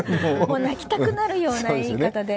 泣きたくなるような言い方で。